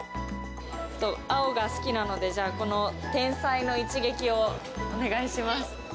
青が好きなので、天才の一撃をお願いします。